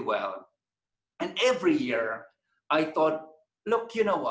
dan setiap tahun saya berpikir lihat anda tahu apa